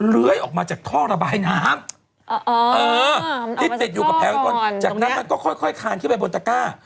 เลื้อยออกมาจากท่อระบายน้ำที่ติดอยู่กับแผงบนจากนั้นมันก็ค่อยคานขึ้นไปบนตะก้า